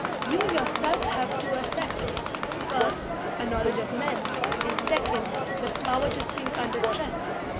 You yourself have two assets: first, a knowledge of men, and second, the power to think under stress.